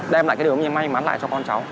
đem lại cái đường may mắn lại cho con cháu